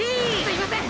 すいません！